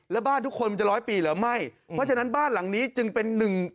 แล้วบ้านทุกคนมันจะร้อยปีหรือไม่เพราะฉะนั้นบ้านหลังนี้จึงเป็นหนึ่ง